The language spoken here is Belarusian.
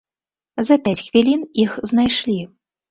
За пяць хвілін іх знайшлі.